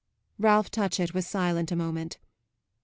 Ralph Touchett was silent a moment.